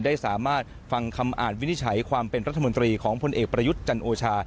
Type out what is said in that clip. ได้สามารถฟังคำอ่านวินิจฉัยความเป็นรัฐมนตรีของพลเอกประยุทธ์จันโอชา